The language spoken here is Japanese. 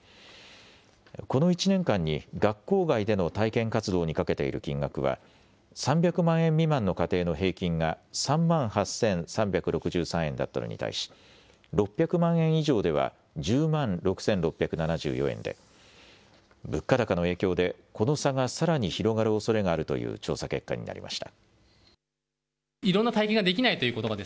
この１年間に学校外での体験活動にかけている金額は、３００万円未満の家庭の平均が３万８３６３円だったのに対し、６００万円以上では１０万６６７４円で、物価高の影響で、この差がさらに広がるおそれがあるという調査結果になりました。